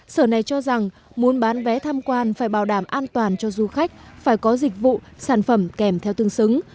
sở này cho rằng muốn bán vé tham quan phải bảo đảm an toàn cho du khách phải có dịch vụ sản phẩm kèm theo tương xứng